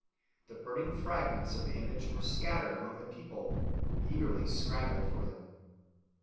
The burning fragments of the image were scattered among the people, who eagerly scrambled for them.